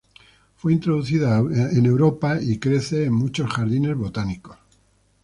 Fue introducida a Europa y crece en muchos jardines botánicos.